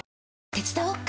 手伝おっか？